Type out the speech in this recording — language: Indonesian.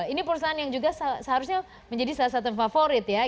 ini perusahaan yang juga seharusnya menjadi salah satu favorit ya